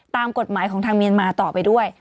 ตามกฎหมายของทางเมียนมาต่อไปด้วย